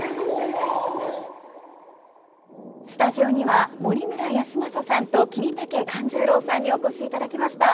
スタジオには森村泰昌さんと桐竹勘十郎さんにお越しいただきました。